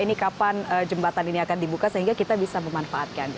ini kapan jembatan ini akan dibuka sehingga kita bisa memanfaatkan